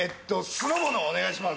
酢の物お願いします。